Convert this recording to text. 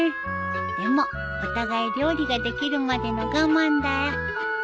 でもお互い料理ができるまでの我慢だよ